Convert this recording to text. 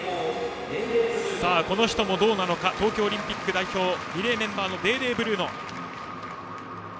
この人もどうか東京オリンピック日本代表リレーメンバーのデーデー・ブルーノ。